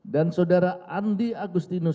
dan saudara andi agustinus